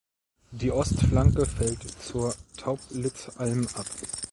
Die Ostflanke fällt zur Tauplitzalm ab.